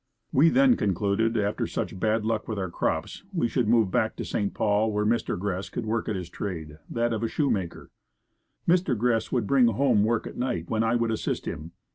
We then concluded, after such bad luck with our crops, we would move back to St. Paul, where Mr. Gress could work at his trade, that of a shoemaker. Mr. Gress would bring home work at night when I would assist him.